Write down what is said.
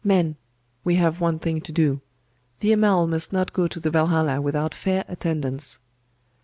Men we have one thing to do. The Amal must not go to the Valhalla without fair attendance.